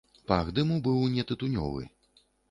Пах дыму быў не тытунёвы.